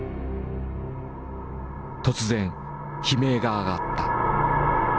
突然悲鳴が上がった。